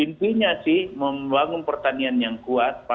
intinya sih membangun pertanian yang kuat pangan yang kuat